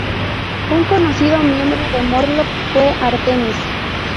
Un conocido miembro de Morlock fue Artemis.